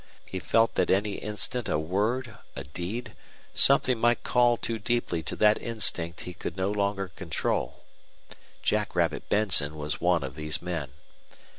He felt that any instant a word, a deed, something might call too deeply to that instinct he could no longer control. Jackrabbit Benson was one of these men.